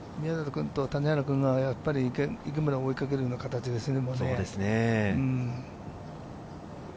宮里君と谷原君が池村を追いかけるような形ですね。